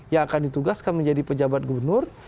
yang akan ditugaskan menjadi pejabat gubernur